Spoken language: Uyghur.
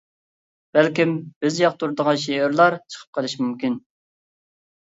بەلكىم بىز ياقتۇرىدىغان شېئىرلار چىقىپ قېلىشى مۇمكىن.